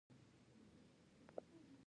د کورنیو الوتنو بیه کمه ده.